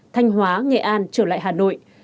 thanh hóa nghệ an trở lại hà nội